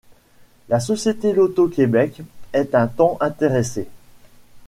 La société Loto-Québec est un temps intéressée.